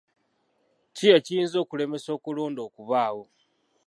Ki ekiyinza okulemesa okulonda okubaawo?